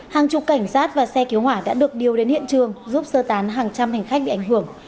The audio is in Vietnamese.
hàng chục cảnh sát và xe cứu hỏa đã được điều đến hiện trường giúp sơ tán hàng trăm hành khách bị ảnh hưởng